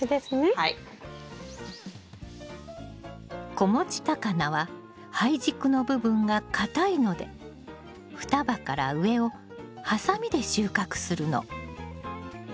子持ちタカナは胚軸の部分が硬いので双葉から上をはさみで収穫するの。